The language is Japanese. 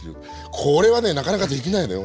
これはねなかなか出来ないのよ